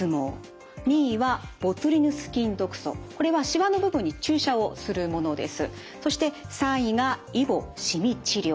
これはしわの部分に注射をするものです。